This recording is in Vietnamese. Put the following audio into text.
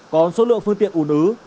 còn số lượng phương tiện u nứ